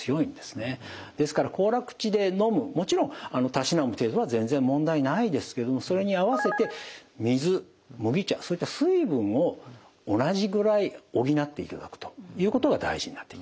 ですから行楽地で飲むもちろんたしなむ程度は全然問題ないですけどもそれに合わせて水麦茶そういった水分を同じぐらい補っていただくということが大事になってきます。